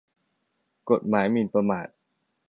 กฎหมายหมิ่นประมาท